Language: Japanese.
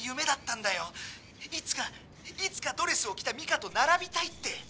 いつかいつかドレスを着たミカと並びたいって。